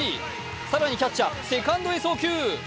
更にキャッチャー、セカンドへ送球。